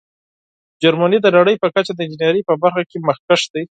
جرمني د نړۍ په کچه د انجینیرۍ په برخه کې مخکښ دی.